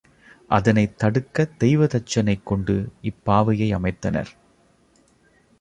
அதனைத் தடுக்கத் தெய்வதச்சனைக் கொண்டு இப்பாவையை அமைத்தனர்.